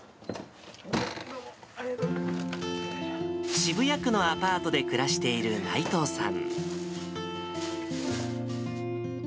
渋谷区のアパートで暮らしている内藤さん。